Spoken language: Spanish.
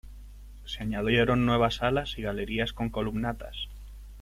Se añadieron nuevas alas y galerías con columnatas.